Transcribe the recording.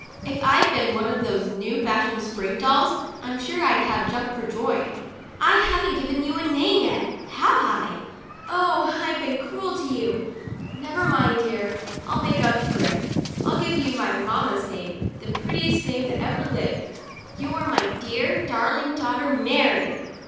If I'd have been one of those new fashioned spring dolls, I'm sure I'd have jumped for joy. 83 THE DIARY OF A BIRTHDAY DOLL " I haven't given you a name yet, have I ? Oh, I've been cruel to you! Never mind, dear, I'll make up for it. I'll give you my mamma's name — the prettiest name that ever lived. You're my dear, darling daughter Mary!"